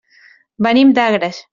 Venim d'Agres.